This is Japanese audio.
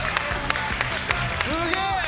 すげえ！